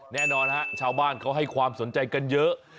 แน่นอนฮะชาวบ้านเขาให้ความสนใจกันเยอะ